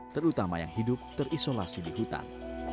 terutama yang hidup terisolasi di hutan